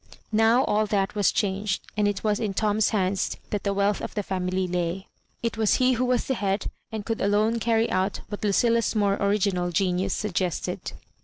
Now all that was changed, and it was in Tom's hands that the wealth of the family lay. It was he who was the head, and could alone carry out what Lucilla's more original genius suggested.